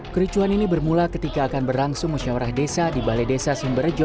kericuhan ini bermula ketika akan berlangsung musyawarah desa di balai desa simberejo